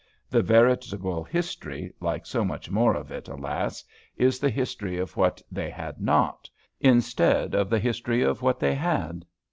The veritable history, like so much more of it, alas! is the history of what they had not, instead of the history of what they had.